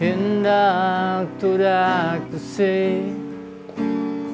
in dark to dark to see